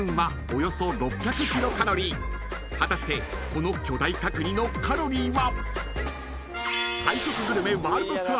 ［果たしてこの巨大角煮のカロリーは？］